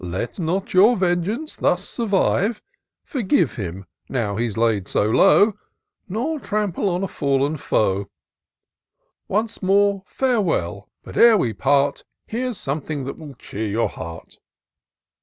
Let not your vengeance thus survive : Forgive him, now he's laid so low — Nor trample on a fallen foe. Once more, farewell! But ere we part, There's something that will cheer your heart."